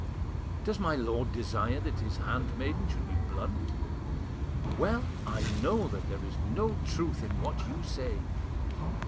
"Does my lord desire that his handmaiden should be blunt? Well, I know that there is no truth in what you say."